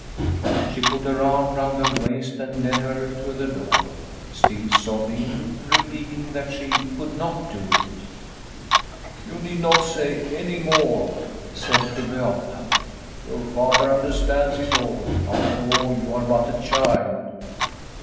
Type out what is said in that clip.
She put her arm round her waist and led her to the door, still sobbing and repeating that she could not do it. " You need not say any more," said Fru Beata ;" your father under stands it all ; after all, you are but a child."